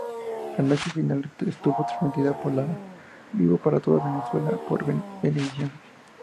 La noche final estuvo transmitida en vivo para toda Venezuela por Venevisión.